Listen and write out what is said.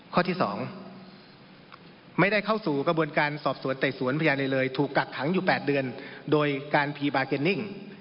ข้อที่๒ไม่ได้เข้าสู่กระบวนการสอบสวนไต่สวนพยานอะไรเลยถูกกักขังอยู่๘เดือนโดยการพีบาร์เก็นิ่ง